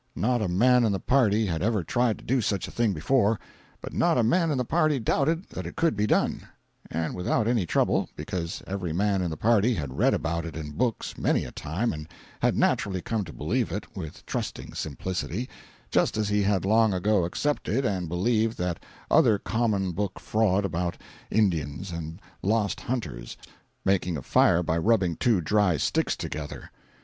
Not a man in the party had ever tried to do such a thing before, but not a man in the party doubted that it could be done, and without any trouble—because every man in the party had read about it in books many a time and had naturally come to believe it, with trusting simplicity, just as he had long ago accepted and believed that other common book fraud about Indians and lost hunters making a fire by rubbing two dry sticks together.